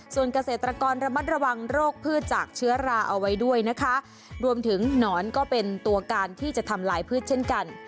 ส่วนเกษตรกรระมัดระวังโรคพืชจากเชื้อราเอาไว้ด้วยนะคะรวมถึงหนอนก็เป็นตัวการที่จะทำลายพืชเช่นกัน